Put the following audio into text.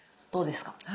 どうですか？